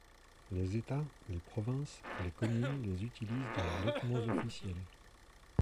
Les états, les provinces, les communes les utilisent dans leurs documents officiels.